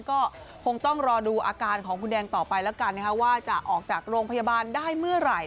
ก็คงต้องรอดูอาการของคุณแดงต่อไปแล้วกันว่าจะออกจากโรงพยาบาลได้เมื่อไหร่